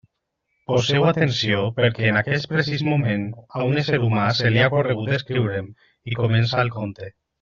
Poseu atenció, perquè en aquest precís moment, a un ésser humà se li ha ocorregut escriure'm i comença el conte.